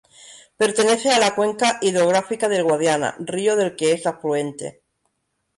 Pertenece a la cuenca hidrográfica del Guadiana, río del que es afluente.